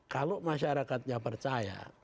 kalau masyarakatnya percaya